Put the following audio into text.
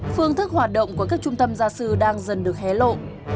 phương thức hoạt động của các trung tâm gia sư đang dần được hé lộ